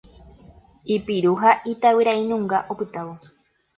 Ipiru ha itavyrainunga opytávo.